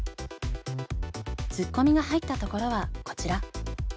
ツッコミが入ったところはこちら。